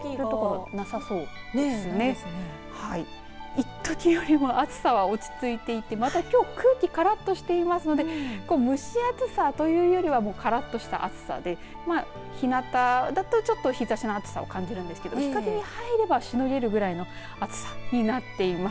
一時よりも暑さ落ち着いていてまたきょう空気からっとしてますので蒸し暑さというよりはからっとした暑さで日なただとちょっと日ざしの暑さを感じるんですけど日陰に入ればしのげるくらいの暑さになっています。